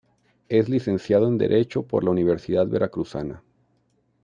Es Licenciado en Derecho por la Universidad Veracruzana.